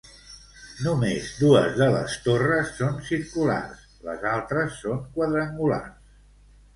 Només dues de les torres són circulars, les altres són quadrangulars.